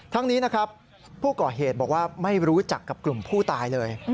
ทั้งนี้นะครับผู้ก่อเหตุบอกว่าไม่รู้จักกับกลุ่มผู้ตายเลย